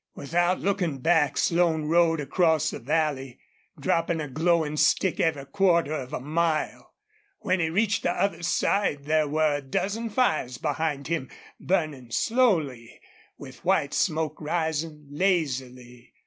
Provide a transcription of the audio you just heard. Without looking back Slone rode across the valley, dropping a glowing stick every quarter of a mile. When he reached the other side there were a dozen fires behind him, burning slowly, with white smoke rising lazily.